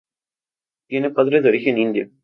Tiene padres de origen indio.